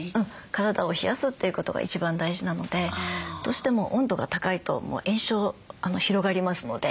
体を冷やすということが一番大事なのでどうしても温度が高いと炎症広がりますので。